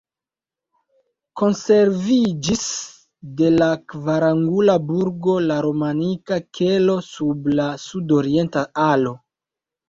Konserviĝis de la kvarangula burgo la romanika kelo sub la sudorienta alo.